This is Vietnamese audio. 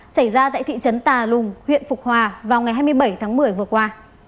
xảy ra tại thị trấn tà lùng huyện phục hòa vào ngày hai mươi bảy tháng một mươi vừa qua